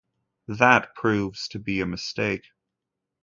That proves to be a mistake.